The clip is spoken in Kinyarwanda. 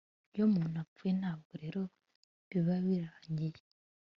iyo umuntu apfuye, ntabwo rero biba birangiye